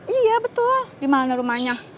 iya betul dimana rumahnya